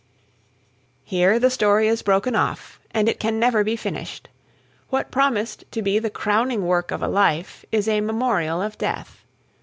] Here the story is broken off, and it can never be finished. What promised to be the crowning work of a life is a memorial of death.